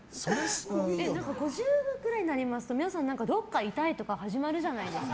５０くらいになりますと皆さん、どこか痛いとか始まるじゃないですか。